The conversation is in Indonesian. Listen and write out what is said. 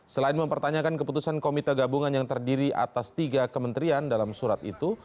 selain mempertanyakan keputusan komite gabungan yang terdiri atas tiga kementerian dalam surat itu